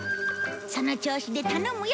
その調子で頼むよ